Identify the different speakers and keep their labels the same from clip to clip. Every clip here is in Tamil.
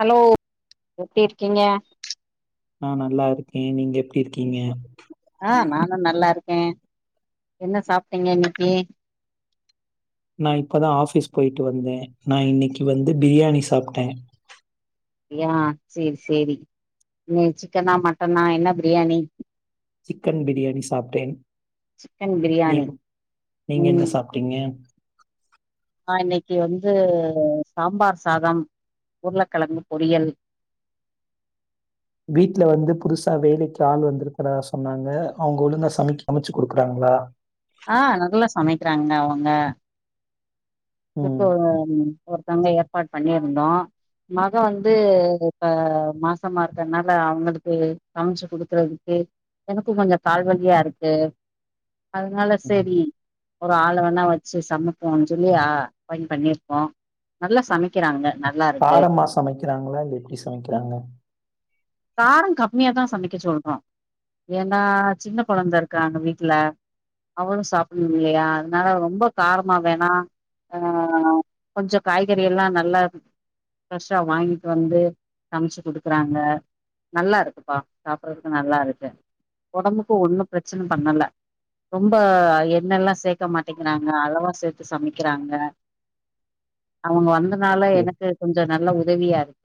Speaker 1: ஹலோ எப்டி இருக்கீங்க
Speaker 2: ஆஹ் நல்லா இருக்கே நீங்க எப்டி இருக்கீங்க
Speaker 1: க என்ன சாப்ட்டீங்க இன்னைக்கு
Speaker 2: நா இப்பதா ஆஃபிஸ் போய்ட்டு வந்தே நா இன்னைக்கு வந்து பிரியாணி சாப்ட்ட
Speaker 1: யா சேரி சேரி நீ சிக்கனா மட்டனா என்ன பிரியாணி
Speaker 2: சிக்கன் பிரியாணி சாப்ட்டேன்
Speaker 1: சிக்கன்
Speaker 2: நீ
Speaker 1: பிரியாணி
Speaker 2: நீங்க என்ன
Speaker 1: ம்
Speaker 2: சாப்ட்டீங்க
Speaker 1: து சாம்பார் சாதம் உருளக்கெழங்கு பொரியல்
Speaker 2: வீட்ல வந்து புதுசா வேலைக்கு ஆள் வந்திருக்கிறதா சொன்னாங்க அவுங்க ஒழுங்கா சமைக்க சமச்சு குடுக்குறாங்களா
Speaker 1: ஆஹ் நல்லா சமைக்கிறாங்க அவங்க
Speaker 2: ம்.
Speaker 1: இப்போ ஒருத்தங்க ஏற்பாடு பண்ணிருந்தோ மக வந்து இப்ப மாசமா இருக்கனால அவுங்களுக்கு சமச்சு குடுக்குறதுக்கு எனக்கு கொஞ்சொ கால் வலியா இருக்கு அதனால
Speaker 2: ம்.
Speaker 1: செரி ஒரு ஆள வேணா வச்சு சமப்போனு சொல்லி ஆ பாய்ன்ட் பண்ணிருக்கோ நல்லா சமைக்கிறாங்க நல்லா இருக்கு
Speaker 2: காரமா சமைக்கிறாங்களா இல்லா எப்டி சமைக்கிறாங்க
Speaker 1: காரங் கம்மியாதா சமைக்க சொல்றோ ஏன்னா சின்ன கொழந்த இருக்காங்க வீட்ல அவளு சாப்பட்ணுல்லையா அதனால ரொம்ப காரமா வேணா அஹ் கொஞ்சொ காய்கறியெல்லா நல்லா ஃப்ரெஷ்ஷா வாங்கிட்டு வந்து சமச்சு குடுக்குறாங்க நல்லா இருக்குப்பா சாப்பட்றதுக்கு நல்லா இருக்கு ஒடம்புக்கு ஒன்னு ப்ரெச்சன பண்ணல ரொம்ப எண்ணெல்லா சேக்க மாட்டேங்கறாங்க அளவா சேத்து சமைக்கிறாங் க அவுங்க வந்த னால
Speaker 2: ஓகே,
Speaker 1: எனக்கு கொஞ்சொ நல்ல உதவியா இருக்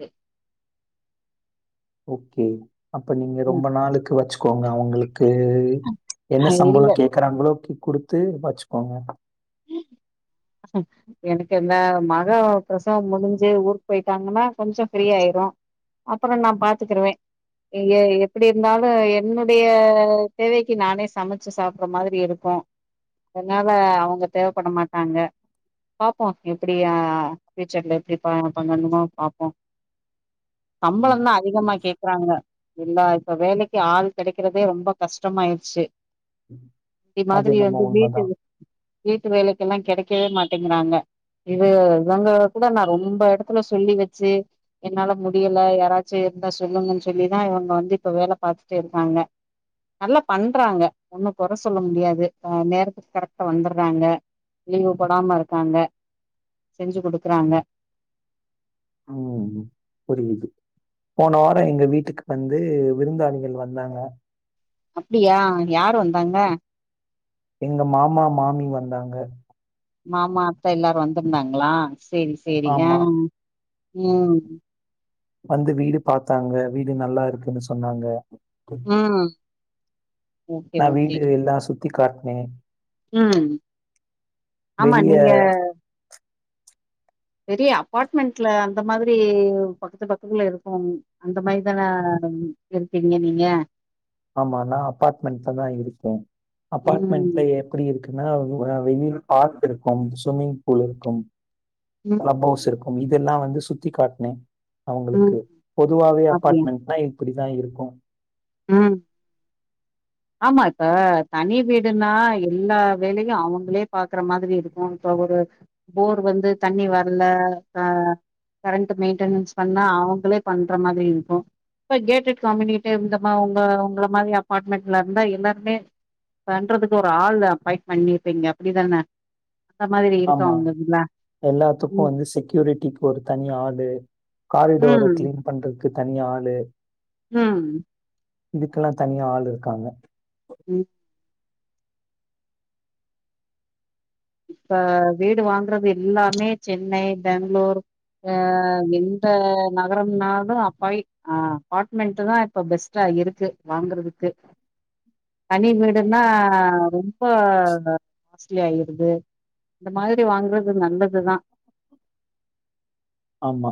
Speaker 2: ஓகே அப்ப நீங்க ரொம்ப நாளுக்கு வச்சுக்கோ ங்க அவுங்களுக் கு என்ன சம்பளோ
Speaker 1: இல்ல
Speaker 2: கேக்குறாங்களோ குடுத்து வச்சுக்கோங்க
Speaker 1: எனக்கு இந்த மக ப்ரசவம் முடிஞ்சு ஊருக் போய்ட்டாங்கன்னா கொஞ்சொ ஃப்ரீ ஆயிரு அப்பறோ நா பாத்துக்குருவே எ எப்டி இருந்தாலு என்னுடைய தேவைக்கு நானே சமச்சு சாப்பற மாதிரி இருக்கு அதனால அவுங்க தேவப்பட மாட்டாங்க பாப்போ எப்டி ஆஹ் ஃப்யூச்சர்ல எப்டி ப பண்ணணுமோ பாப்போ
Speaker 2: ம்.
Speaker 1: சம்பளந் தா அதிகமா கேக்குறாங்க எல்லா இப்ப வேலைக்கு ஆள் கெடைக்கிறதே ரொம்ப கஷ்டமாயிர்ச்சு இடி
Speaker 2: அது
Speaker 1: மாதிரி
Speaker 2: என்னமோ
Speaker 1: வந்து வீட்டு
Speaker 2: உண்மதான்.
Speaker 1: வீட்டு வேலைக்கெல்லா கெடைக் க்கவே மாட்டேங்கிறாங்க இது இவங்க கூட நான் ரொம்ப எடத்துல சொல்லி வச்சு என்னால முடியல யாராச்சு இருந்தா சொல்லுங்கன்னு சொல்லிதான் இவங்க வந்து இப்ப வேல பாத்துட்டு இருக்காங்க நல்லா பண்றாங்க ஒண்ணும் கொற சொல்ல முடியாது ஆ நேரத்துக்கு கரெக்டா வந்துறாங்க லீவு போடாம இருக்காங்க செஞ்சு குடுக்குறாங்க
Speaker 2: ம். புரியுது போன வார எங்க வீட்டுக்கு வந்து விருந்தாளிகள் வந்தாங்க
Speaker 1: அப்டியா யார் வந்தாங்க
Speaker 2: எங்க மாமா மாமி வந்தாங்க
Speaker 1: மாமா அத்த எல்லாரு வந்துருந்தாங்களா
Speaker 2: ஆமா
Speaker 1: ம்
Speaker 2: வந்து வீடு பாத்தாங்க வீடு நல்லா இருக்குன்னு சொன்னாங்க
Speaker 1: ஆ
Speaker 2: நா வீடு எல்லா சுத் த்தி காட்னே
Speaker 1: ம் ஆமா
Speaker 2: வெளிய
Speaker 1: நீங்க பெரிய அப்பார்ட்மெண்ட்ல அந்த மாதிரி பக்கத்து பக்கத்துல இருக்கும் அந்த மாரிதான இருக்கீங்க நீங்க
Speaker 2: ஆமா நா அபார்ட்மெண்ட்லதா இருக்கேன்
Speaker 1: ம்
Speaker 2: அபார்ட்மெண்ட்ல எப்டி இருக் குன்னா வெயில் பார்க் இருக்கும் சுஸ்விமிங் பூல் இருக்கும்
Speaker 1: ம்
Speaker 2: பிளப்பவுஸ் இருக்கும் இதெல்லா வந்து சுத்தி காட்னே
Speaker 1: ம்
Speaker 2: அவங்களுக்கு பொதுவாவே
Speaker 1: அப்டியா
Speaker 2: அபார்ட்மெண்ட்னா இப்டித்தா இருக்கும்
Speaker 1: ம் ஆமா இப்ப தனி வீடுனா எல்லா வேலையு அவுங்களே பாக்குற மாதிரி இருக்கும் இப்ப ஒரு போர் வந்து தண்ணி வரல க கரண்ட் மெயின்டனன்ஸ் பண்ணா அவுங்களே பண்ற மாதிரி இருக்கும் இப்ப கேட்டட் கம்யூனிட்டி இந்த மா உங்க உங்கள மாதிரி அபார்ட்மெண்ட் ல இருந்தா எல்லாருமே பண்றதுக்கு ஒரு ஆள் அப்பாயிண்ட் பண்ணிருப்பீங்க அப்டிதான அந்த மாதிரி இருக்கு
Speaker 2: ஆம்மா
Speaker 1: அவங்கதுல
Speaker 2: எல்லாத்துக்கு
Speaker 1: ம்
Speaker 2: வந்து செக்யூரிட்டிக்கு ஒரு தனி ஆடு
Speaker 1: ம்
Speaker 2: காரிடோர கிளீன் பண்றது க்கு தனி ஆளு
Speaker 1: ம்
Speaker 2: இதுக்கெல்லா தனியா ஆளு இருக்காங்க
Speaker 1: ம் இப்ப வீடு வாங்குறது எல்லாமே சென்னை பெங்களூர் அ எந்த நகரம்னாலு அப்பாய் அபார்ட்மெண்ட் தான் இப்ப பெஸ்டா இருக்கு வாங்கறதுக்கு தனி வீடுன்னா ரொம்ப காஸ்ட்லி ஆயிரு து இந்த மாதிரி வாங்குறது நல்லதுதான்
Speaker 2: ஆம்மா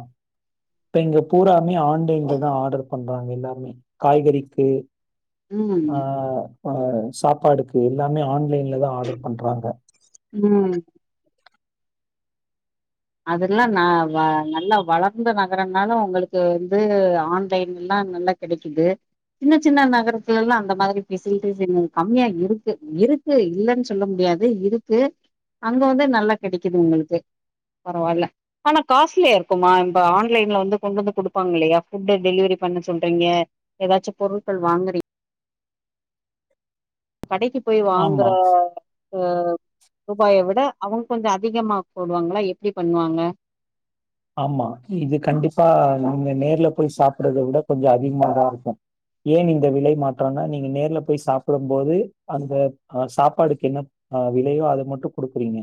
Speaker 2: இப்ப இங்க பூராமே ஆன்லைன்லதா ஆர்டர் பண்றாங்க எல்லாருமே காய்கறிக்கு ஆ
Speaker 1: ம்
Speaker 2: ஆ சாப்பாடுக் எல்லாமே ஆன்லைன்ல தா ஆர்டர் பண்றாங்க
Speaker 1: ம் அதல்லா நா வ நல்லா வளர்ந்த நகரனாலும் உங்களுக்கு வந்து ஆன்லைன் எல்லா நல்ல கெடைக்குது சின்ன சின்ன நகரத்துலல்லா அந்த மாரி பெசிலிட்டிஸ் கம்மியா இருக்கு இருக்கு இல்லன் சொல்ல முடியாது இருக்கு அங்க வந்து நல்லா கெடைக்குது உங்களுக்கு பரவால்ல ஆனா காஸ்லியா இருக்குமா இந்த ஆன்லைன்ல வந்து கொண்டு வந்து குடுப்பாங்க இல்லையா ஃபுட்டு் டெலிவரி பண்ண சொல்றீங்க ஏதாச்சும் பொருட்கள் வாங்குறீ கடைக்கிப் போய் வாங்குற
Speaker 2: ஆமா,
Speaker 1: ரூபாயை விட அவங்க கொஞ்சம் அதிகமா போடுவாங்களா எப்டி பண்ணுவாங்க
Speaker 2: ஆம்மா இது கண்டிப்பா நீங்க நேர்ல போய் சாப்பிடுறதை விட கொஞ்சம் அதிகமாதான் இருக்கும் ஏன் இந்த விலை மாற்றம்னா நீங்க நேர்ல போய் சாப்பிடும் போது அந்த அஹ் சாப்பாடுக்கு என்ன ஆஹ விலையோ அதை மட்டும் கொடுக்குறீங்க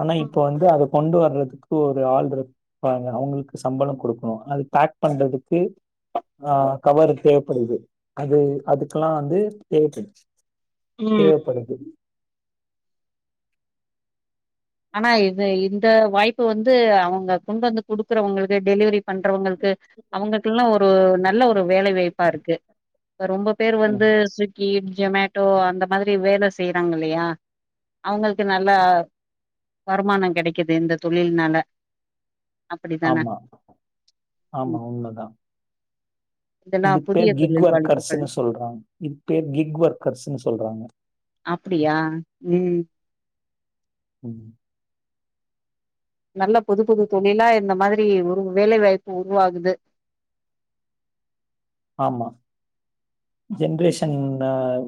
Speaker 2: ஆனா இப்ப வந்து அத கொண்டு வர்றதுக்கு ஒரு ஆளு இரு பாருங்க அவங்களுக்கு சம்பளம் கொடுக்கணும் அது பேக் பண்றதுக்கு ஆஹ் கவர்ரு தேவைப்படுது அது அதுக்கெல்லாம் வந்து தேவைப்படுது
Speaker 1: ம்
Speaker 2: தேவப்படுது
Speaker 1: ஆனா இது இந்த வாய்ப்பு வந்து அவங்க கொண்டு வந்து குடுக்குறவங்களுக்கு டெலிவரி பண்றவங்களுக்கு அவங்களுக்குல்லாம் ஒரு நல்ல ஒரு வேலை வாய்ப்பா இருக்கு இ ரொம்ப பேர்
Speaker 2: ம்.
Speaker 1: வந்து சுக்கி ஜொமேட்டோ அந்த மாதிரி வேல செய்றாங்க இல்லையா அவங்களுக்கு நல்லா வருமானம் கிடைக்குது இந்த தொழில்னால அப்படிதான
Speaker 2: ஆமா ஆமா
Speaker 1: ம்
Speaker 2: உண்மைதான்
Speaker 1: இதெல்லா
Speaker 2: இது
Speaker 1: புதிய
Speaker 2: பேர் கிக்
Speaker 1: தொழில் வாலிப்புகள்
Speaker 2: ஒர்க்கர்ஸ்ன்னு சொல்றாங்க இது பேர் கிக் ஒர்க்கர்ஸ்ன்னு சொல்றாங்க
Speaker 1: அப்படியா ம்
Speaker 2: ம்.
Speaker 1: நல்ல புது புது தொழிலா இந்த மாதிரி ஒரு வேலை வாய்ப்பு உருவாகுது
Speaker 2: ஆமா ஜென்ரேஷன்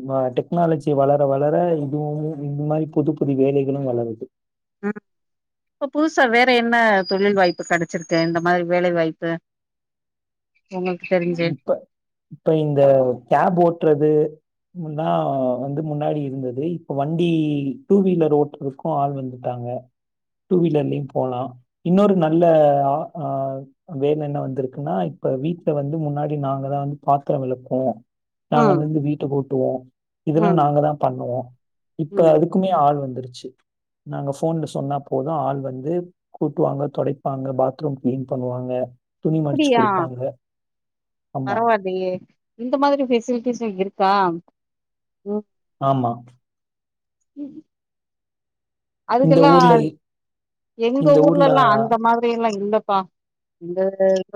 Speaker 2: நா டெக்னாலஜி வளர வளர இதுவும் இந்த மாதிரி புது புது வேலைகளும் வளருது
Speaker 1: இப்ப புதுசா வேற என்ன தொழில் வாய்ப்பு கிடைச்சிருக்கு இந்த மாதிரி வேலைவாய்ப்பு
Speaker 2: இப்ப இப்ப இந்த கேப் ஓட்றது முன்னா வந்து முன்னாடி இருந்தது இப்ப வண்டி டூ வீலர் ஓட்டுறதுக்கும் ஆள் வந்துட்டாங்க டூ வீலர்லயும் போலாம் இன்னொரு நல்ல ஆ வேலை என்ன வந்திருக்குன்னா இப்ப வீட் வந்து முன்னாடி நாங்கதான் வந்து பாத்திரம் விளக்குவோம் நாங்க
Speaker 1: ம்
Speaker 2: வந்து வீட்டை போட்டுவோம் இதெல்லாம்
Speaker 1: ம்
Speaker 2: நாங்க தான் பண்ணுவோம் இப்ப
Speaker 1: ம்
Speaker 2: அதுக்குமே ஆள் வந்துருச் நாங்க போன்ல சொன்னா போதும் ஆள் வந்து கூட்டுவாங்க தொடைப்பாங்க பாத்ரூம் கிளீன் பண்ணுவாங்க துணி மடிச்சு
Speaker 1: அப்படியா
Speaker 2: கொடுப்பாங்க
Speaker 1: பரவாயில்லையே இந்த மாதிரி பெபசிலிட்டிசும் இருக்கா ம்
Speaker 2: ஆ
Speaker 1: உம்
Speaker 2: இந்த
Speaker 1: அதுக்கெல்லாம்
Speaker 2: ஊர்ல
Speaker 1: எங்க ஊர்ல ல்லாம் அந்த மாதிரி எல்லாம் இல்ல ப்பா எங்க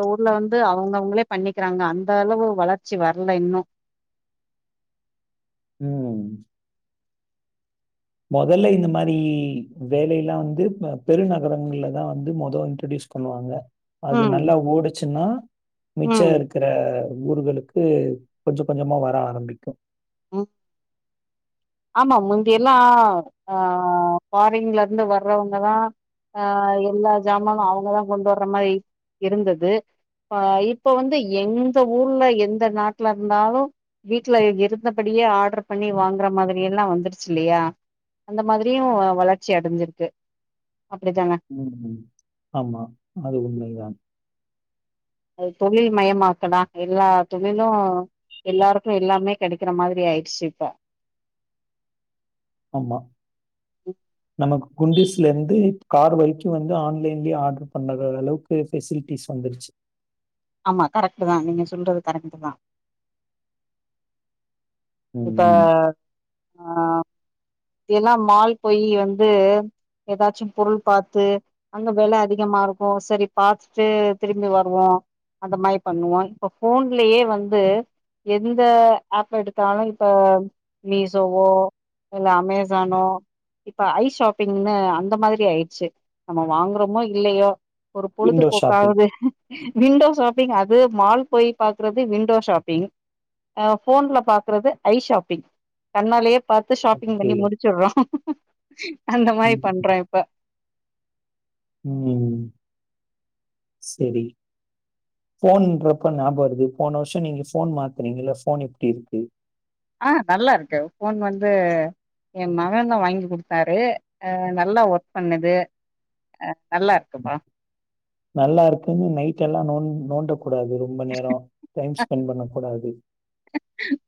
Speaker 1: எ ஊர்ல வந்து அவங்கவுங்களே பண்ணிக்கிறாங்க அந்த அளவு வளர்ச்சி வரல இன்னும்
Speaker 2: ம் முதல்ல இந்த மாதிரி வேலைைய எல்லாம் வந்து பெருநகரங்கள்லதான் வந்து மொத இன்ட்ரடியூஸ் பண்ணுவாங்க அது
Speaker 1: ம்,
Speaker 2: நல்லா ஓடுச்சுன்னா
Speaker 1: ம்,
Speaker 2: மிச்சம் இருக்கிற ஊர்களுக்கு கொஞ்சம் கொஞ்சமா வர ஆரம்பிக்கும்
Speaker 1: ம். ஆமா முந்தியெல்லாம் ஆ பாாரிங்ல இருந்து வர்றவங்கதான் அஹ எல்லா சமானும் அவங்கதான் கொண்டு வர்ற மாதிரி இருந்தது இப்ப வந்து எந்த ஊர்ல எந்த நாட்டுல இருந்தாலும் வீட்டுல இருந்தபடியே ஆர்டர் பண்ணி வாங்கற மாதிரி எல்லாம் வந்துருச்சுல்லையா அந்த மாதிரியும் வளர்ச்சி அடைஞ்சிருக்கு அப்படித்தானே
Speaker 2: ம் ம் ஆமா அது உண்மைதான்
Speaker 1: அது தொழில் மயமாக்கடா எல்லா தொழிலு எல்லாருக்கு எல்லாமே கெடைக்கிற மாதிரி ஆய்டுச் இப்ப
Speaker 2: ஆமா நமக் குண்டிஸ்ல இருந்து கார் வரைக்கு வந்து ஆன்லைன்லயே ஆர்டர் பண்ணற அளவுக்கு ஃபெசிலிட்டிஸ் வந்துருச்சி
Speaker 1: ஆமா கரெக்ட்டு தா நீங்க சொல்றது கரெக்ட் தா இப்ப
Speaker 2: ம்.
Speaker 1: அ எல்லா மால் போய் வந்து ஏதாச்சு பொருள் பாத்து அங்க வெல அதிகமா இருக்கு செரி பாத்துட்டு திரும்பி வருவோ அந்த மாரி பண்ணுவோ இப்போ ஃபோன்லேயே வந்து எந்த ஆப்ப எடுத்தாலு இப்ப மீசோவோ இல்ல அமேசானோ இப்ப ஐ ஷாப்பிங்கின்னு அந்த மாதிரி ஆயிர்ச்சு நம்ம வாங்றோமோ இல்லையோ ஒரு
Speaker 2: விண்டோ ஷாப்பிங்.
Speaker 1: பொழுதுபோக்காவுது விண்டோஸ் சாப் லீங் அது மால் போய் பாக்றது விண்டோ ஷாப்பிங் அ போன்ல பாக்றது ஐ ஷாப்பிங் கண்ணாலயே பாத்து ன்
Speaker 2: ஓகே.
Speaker 1: பண்ணி முடிச்சிடறோ [unintelligible] அந்த மாரி
Speaker 2: ம்,
Speaker 1: பண்றா இப்ப
Speaker 2: ம் செரி போன்றப்ப ஞாபகோ வருது போன வருஷோ நீங்க போன் மாத்துனீங்கல்ல போன் எப்டி இருக்கு
Speaker 1: ஆ நல்லா இருக்கு போன் வந்து எ மகன்தான் வாங்கி குடுத்தாரு அ நல்லா ஒர்க் பண்ணுது அ நல்லா இருக்குப்பா
Speaker 2: நல்லா இருக்குன்னு நைட் எல்லா நோன் நோண்ட கூடாது ரொம்ப நேரோ டைம் ஸ்பெண்ட் பண்ண கூடாது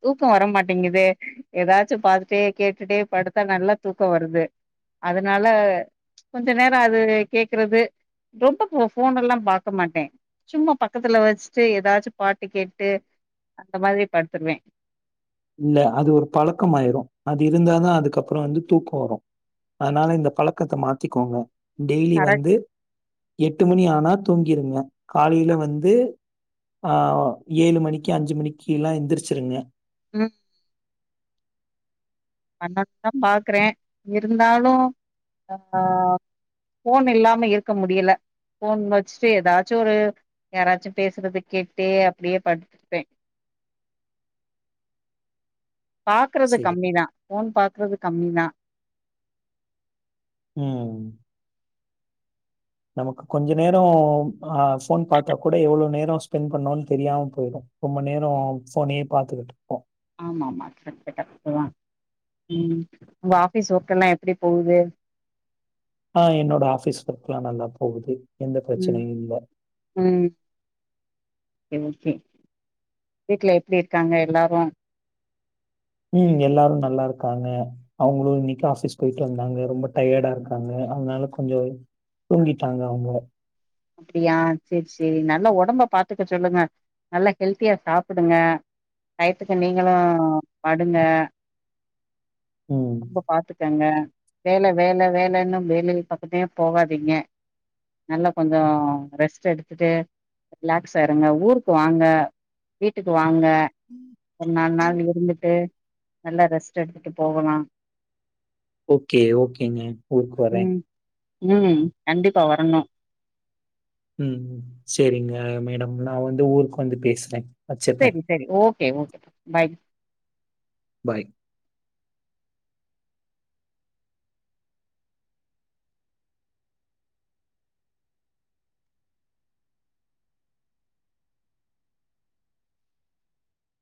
Speaker 1: தூக்கோ வரமாட்டேங்குது ஏதாச்சு பாத்துட்டே கேட்டுட்டே படுத்தா நல்லா தூக்கம் வருது அதனால கொஞ்ச நேர அது கேக்குறது ரொம்ப போன் எல்லா பாக்க மாட்டே சும்மா பக்கத்துல வச்சுட்டு ஏதாச்சு பாட்டு கேட்டு அந்த மாதுரி படுத்துருவே
Speaker 2: இல்ல அது ஒரு பழக்கம ஆயிரு அது இருந்தா தா அதுக்கப்புறோ வந்து தூக்கொ வரு அதனால இந்த பழக்கத்த மாத்திக்கோங்க டெய்லி
Speaker 1: கரெக்ட்
Speaker 2: வந்து எட்டு மணியானா தூங்கிருங்க காலையில வந்து ஆ ஏழு மணிக்கு அஞ்சு மணிக்குயெல்லா எந்துரிச்சிருங்க
Speaker 1: ம் அண்ணதுதா பாக்குறே இருந்தாலு ஆ போன் இல்லாம இருக்க முடியல போன் வச்சுட்டு ஏதாச்சு ஒரு யாராச்சு பேசுறது கேட்டுட்டே அப்படியே படுத்துக்குவே பாக்குறது
Speaker 2: சரி.
Speaker 1: கம்மிதா போன் பாக்குறது கம்மிதா
Speaker 2: உம் நமக்கு கொஞ்சோ நேரோ ஆ போன் பாத்தா கூட எவ்ளோ நேரோ ஸ்பெண்ட் பண்ணோம்னு தெரியாம போயிடு ரொம்ப நேரோ போனே பாத்தகிட்டு இருப்போ
Speaker 1: ஆமா ஆமா கரெட்டு கரெட்டுதா உம் உங்க ஆபீஸ் ஒர்க் எல்லா எப்டி போகுது
Speaker 2: ஆ என்னோட ஆபிஸ் ஒர்க் எல்லா நல்லா போகுது எந்த
Speaker 1: ம்
Speaker 2: பிரச்சனையு இல்ல
Speaker 1: ம் ஓகே ஓகே வீட்டுல எப்டி இருக்காங்க எல்லாரு
Speaker 2: உம் எல்லாரு நல்லா இருக்காங்க அவுங்களு இன்னைக்கு ஆபீஸ் போயிட்டு வந்தாங்க ரொம்ப டயர்டா இருக்காங்க அதனால கொஞ்சோ தூங்கிட்டாங்க அவுங்க
Speaker 1: அப்டியா செரி செரி நல்ல ஒடம்ப பாத்துக்க சொல்லுங்க நல்லா ஹெல்த்தியா சாப்புடுங்க டயத்துக்கு நீங்களு படுங்க
Speaker 2: ம்.
Speaker 1: ரொம்ப பாத்துட் க்கங்க வேல வேல வேலன்னும்ண வேலைய பாத்துட்டே போவாதீங்க நல்ல கொஞ்சோ ரெஸ்ட் எடுத்துட்டு ரிலாக்ஸா இருங்க ஊருக்கு வாங்க வீட்டுக்கு வாங்க ஒரு நாலு நாள் இருந்துட்டு நல்லா ரெஸ்ட் எடுத்துட்டு போகலா
Speaker 2: ஓகே ஓகேங்க ஊர்க்கு வரே
Speaker 1: ம் ம் கண்டிப்பா வரணு
Speaker 2: உம் செரிங்க மேடம் நா வந்து ஊருக்கு வந்து பேசுறே
Speaker 1: செரி செரி ஓகே ஓகே பாய்
Speaker 2: பாய்